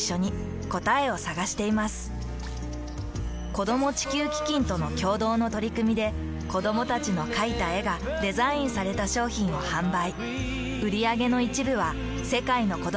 子供地球基金との共同の取り組みで子どもたちの描いた絵がデザインされた商品を販売。